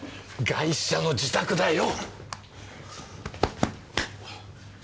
ガイシャの自宅だよ！